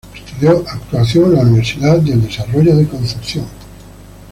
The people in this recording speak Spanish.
Estudió actuación en la Universidad del Desarrollo de Concepción.